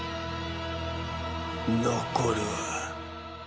残るは。